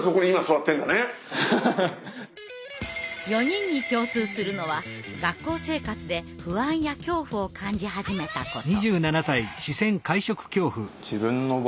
４人に共通するのは学校生活で不安や恐怖を感じ始めたこと。